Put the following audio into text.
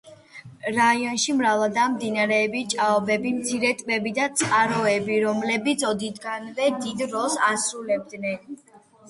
რაიონში მრავლადაა მდინარეები, ჭაობები, მცირე ტბები და წყაროები, რომელბიც ოდითგანვე დიდ როლს ასრულებდნენ